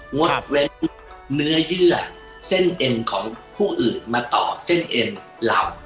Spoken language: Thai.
งดเว้นเนื้อเยื่อเส้นเอ็นของผู้อื่นมาต่อเส้นเอ็นเรา